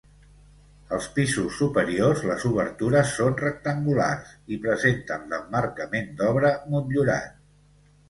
Als pisos superiors les obertures són rectangulars i presenten l'emmarcament d'obra motllurat.